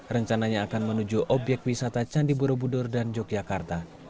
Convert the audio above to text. rencananya akan menuju obyek wisata candi borobudur dan yogyakarta